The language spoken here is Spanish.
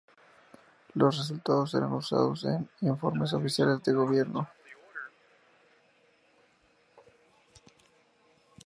Los resultados eran usados en informes oficiales del gobierno.